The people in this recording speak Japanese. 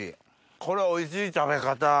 これおいしい食べ方。